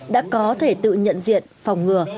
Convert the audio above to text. đã có thể tự nhận diện phòng ngừa